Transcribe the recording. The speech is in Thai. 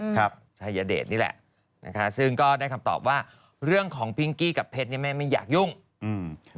ครับชายเดชนี่แหละนะคะซึ่งก็ได้คำตอบว่าเรื่องของพิงกี้กับเพชรเนี้ยแม่ไม่อยากยุ่งอืม